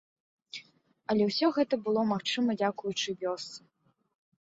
Але ўсё гэта было магчыма дзякуючы вёсцы.